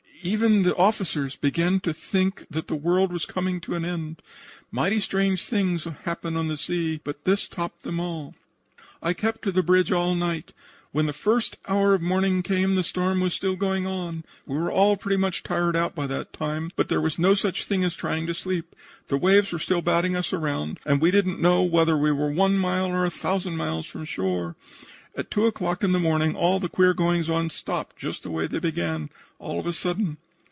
Even the officers began to think that the world was coming to an end. Mighty strange things happen on the sea, but this topped them all. "I kept to the bridge all night. When the first hour of morning came the storm was still going on. We were all pretty much tired out by that time, but there was no such thing as trying to sleep. The waves still were batting us around and we didn't know whether we were one mile or a thousand miles from shore. At 2 o'clock in the morning all the queer goings on stopped just the way they began all of a sudden.